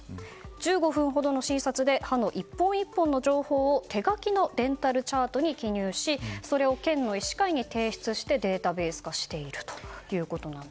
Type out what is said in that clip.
１５分ほどの診察で歯の１本１本の情報を手書きのデンタルチャートに記入しそれを県の医師会に提出してデータベース化していると。